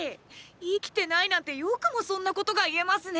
生きてないなんてよくもそんなことが言えますね！！